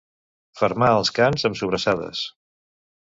Fermar els cans amb sobrassades.